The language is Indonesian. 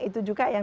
itu juga yang